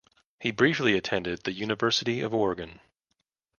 He briefly attended the University of Oregon.